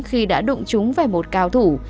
thật không may cho chúng